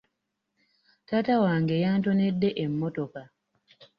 Taata wange yantonedde emmotoka.